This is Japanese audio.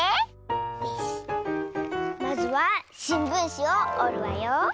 まずはしんぶんしをおるわよ。